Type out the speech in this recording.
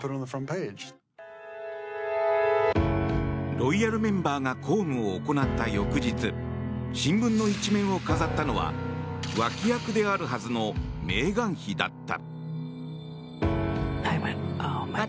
ロイヤルメンバーが公務を行った翌日新聞の１面を飾ったのは脇役であるはずのメーガン妃だった。